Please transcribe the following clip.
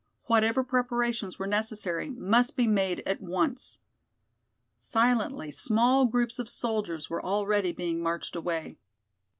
Whatever preparations were necessary must be made at once. Silently small groups of soldiers were already being marched away.